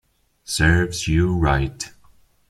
Serves you right